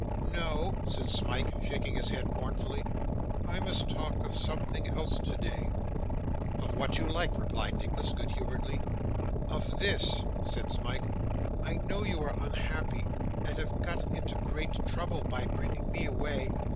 'No,' said Smike, shaking his head mournfully; 'I must talk of something else today.' 'Of what you like,' replied Nicholas, good humouredly. 'Of this,' said Smike. 'I know you are unhappy, and have got into great trouble by bringing me away.